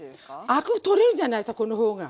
アク取れるじゃないこの方が。